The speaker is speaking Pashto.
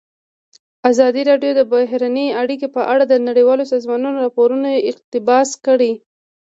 ازادي راډیو د بهرنۍ اړیکې په اړه د نړیوالو سازمانونو راپورونه اقتباس کړي.